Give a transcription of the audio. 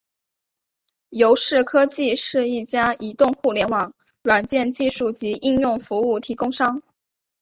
优视科技是一家移动互联网软件技术及应用服务提供商。